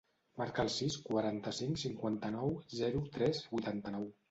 Marca el sis, quaranta-cinc, cinquanta-nou, zero, tres, vuitanta-nou.